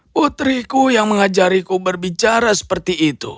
putriku yang mengajariku berbicara seperti itu